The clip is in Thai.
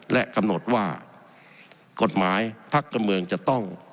และกำหนดว่ากฎหมายพักการเมืองจะต้อง